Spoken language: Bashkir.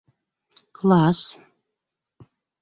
Класс!